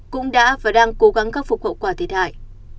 cũng đã và đang cố gắng khắc phục hậu quả thiệt hại